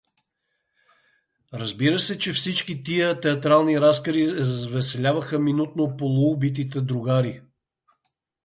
Разбира се, че всички тия театрални разкази развеселяваха минутно полуубитите другари.